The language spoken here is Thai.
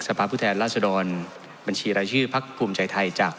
สภาพผู้แทนราษฎรบัญชีรายชื่อพักภูมิใจไทยจาก